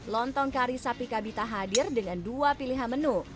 lontong kari sapi kabita hadir dengan dua pilihan menu